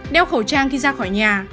đeo khẩu trang khi ra khỏi nhà